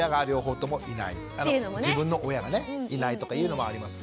自分の親がいないとかいうのもあります。